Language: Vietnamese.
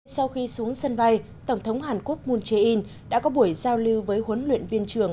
sau khi xuống sân bay tổng thống hàn quốc moon jae in đã có buổi giao lưu với huấn luyện viên trưởng